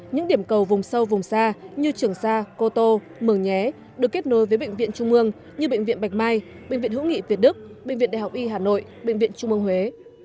những điểm cầu vùng sâu vùng xa như trường sa cô tô mường nhé được kết nối với bệnh viện trung ương như bệnh viện bạch mai bệnh viện hữu nghị việt đức bệnh viện đại học y hà nội bệnh viện trung mương huế